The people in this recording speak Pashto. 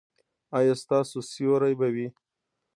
ایا ستاسو سیوری به وي؟